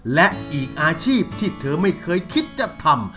และอีกอาชีพที่เธอไม่เคยคิดจะทำ